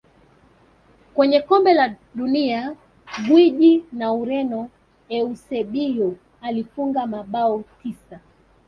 Kwenye kombe la dunia gwiji wa ureno eusebio alifunga mabao tisa